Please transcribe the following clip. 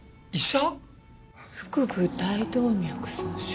腹部大動脈損傷。